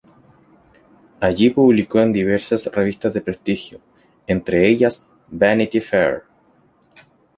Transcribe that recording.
Allí publicó en diversas revistas de prestigio, entre ellas "Vanity Fair".